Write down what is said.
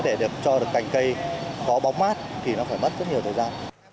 để cho được cành cây có bóng mát thì nó phải mất rất nhiều thời gian